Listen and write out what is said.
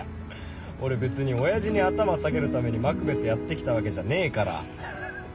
俺別に親父に頭を下げるためにマクベスやって来たわけじゃねえから。